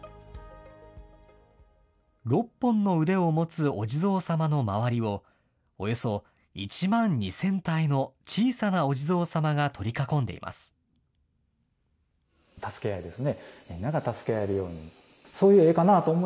６本の腕を持つお地蔵さまの周りを、およそ１万２０００体の小さなお地蔵さまが取り囲んでいます。